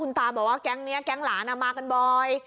อ๋อคุณตาบอกว่าแกงนี้แกงหลานอ่ะมากันบ่อย